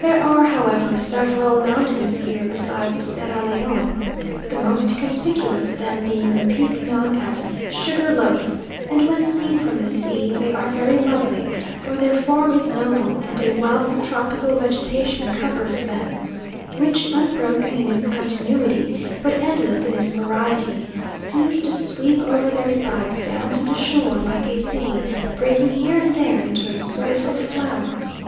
There are, however, several mountains here besides the Sierra Leone, the most conspicuous of them being the peak known as Sugar Loaf, and when seen from the sea they are very lovely, for their form is noble, and a wealth of tropical vegetation covers them, which, unbroken in its continuity, but endless in its variety, seems to sweep over their sides down to the shore like a sea, breaking here and there into a surf of flowers.